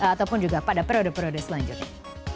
ataupun juga pada periode periode selanjutnya